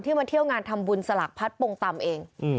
มาเที่ยวงานทำบุญสลักพัดปงตำเอง